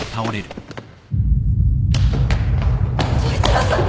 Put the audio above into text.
統一郎さん。